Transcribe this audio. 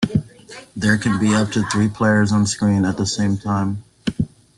There can be up to three players on-screen at the same time.